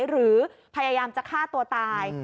หรือพยายามจะฆ่าตัวตาย